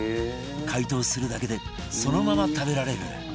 解凍するだけでそのまま食べられる